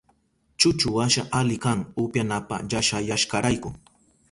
Chuchuwasha ali kan upyanapa llashayashkarayku.